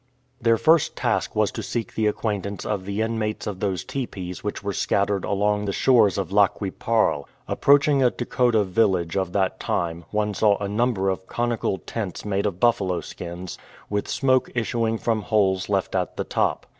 Their first task was to seek the acquaintance of the inmates of those teepees which were scattered along the shores of Lac qui parle. Approaching a Dakota village of that time, one saw a number of conical tents made of buffalo skins, with smoke issuing from holes left at the top.